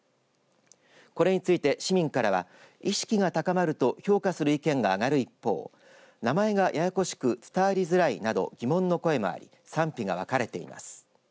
これについて市民からは意識が高まると評価する意見が上がる一方名前がややこしく伝わりづらいなど疑問の声もあり賛否が分かれています。